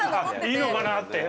いいのかな？って。